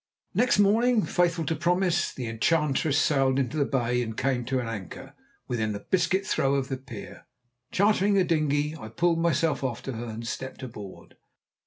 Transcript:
Next morning, faithful to promise, the Enchantress sailed into the bay and came to an anchor within a biscuit throw of the pier. Chartering a dinghy, I pulled myself off to her, and stepped aboard.